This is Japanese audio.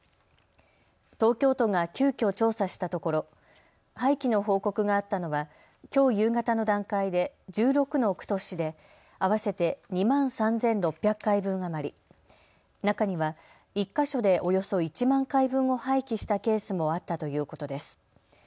東京都が急きょ調査したところ廃棄の報告があったのはきょう夕方の段階で１６の区と市で合わせて２万３６００回分余り、中には、１か所でおよそ１万回分を廃棄したケースもあったということです。